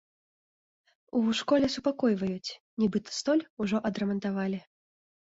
У школе супакойваюць, нібыта, столь ужо адрамантавалі.